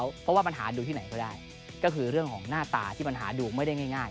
เพราะว่าปัญหาดูที่ไหนก็ได้ก็คือเรื่องของหน้าตาที่ปัญหาดูไม่ได้ง่าย